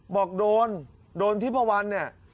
บอกโดนโดนทิพวันเนี่ย